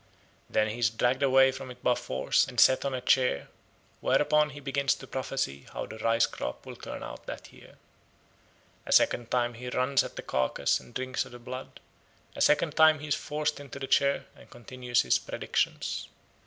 Then he is dragged away from it by force and set on a chair, whereupon he begins to prophesy how the rice crop will turn out that year. A second time he runs at the carcase and drinks of the blood; a second time he is forced into the chair and continues his predictions.